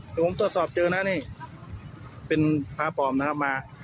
เดี๋ยวผมตรวจสอบเจอนะนี่เป็นพระปลอมนะครับมา